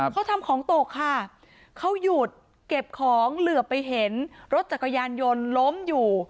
เขาทำของตกค่ะเขาหยุดเก็บของเหลือไปเห็นรถจักรยานยนต์ล้มอยู่